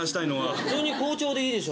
普通に「校長」でいいでしょ。